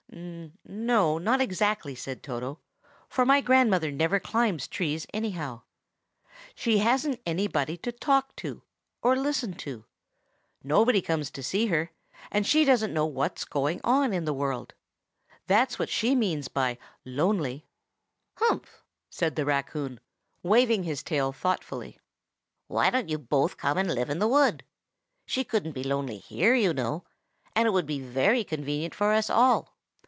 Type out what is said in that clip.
"N no, not exactly," said Toto, "for my grandmother never climbs trees, anyhow. She hasn't anybody to talk to, or listen to; nobody comes to see her, and she doesn't know what is going on in the world. That's what she means by 'lonely.'" "Humph!" said the raccoon, waving his tail thoughtfully. "Why don't you both come and live in the wood? She couldn't be lonely here, you know; and it would be very convenient for us all.